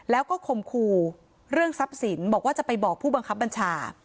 แล้วก็คมคูเรื่องทรัพย์สินบอกว่าจะไปบอกผู้บังคับบัญชา